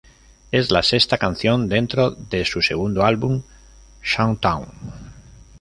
Es la sexta canción dentro de su segundo álbum "Sam's Town".